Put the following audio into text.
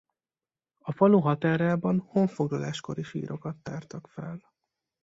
A falu határában honfoglalás kori sírokat tártak fel.